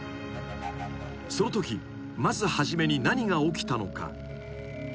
［そのときまず初めに何が起きたのか？］